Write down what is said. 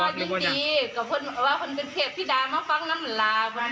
เพราะว่าคนเป็นเพศพิดามาฟังน้ำลาคนเป็นเพศน้ำฟ้ามาฟังนั่นแหละ